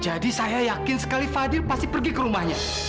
jadi saya yakin sekali fadil pasti pergi ke rumahnya